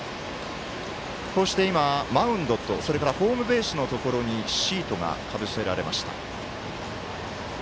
こうして今、マウンドとホームベースのところにシートがかぶせられました。